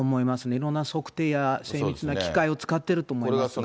いろんな測定や精密な機械を使ってると思いますが。